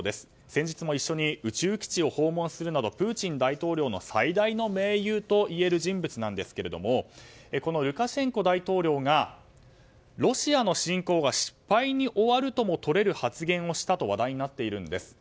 先日も一緒に宇宙基地を訪問するなどプーチン大統領の最大の盟友ともいえる人物なんですがこのルカシェンコ大統領がロシアの侵攻が失敗に終わるともとれる発言をしたと話題になっているんです。